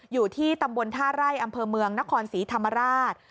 อยู่ที่ตำบลท่าไร่อำเภอเมืองนครศรีธรรมราช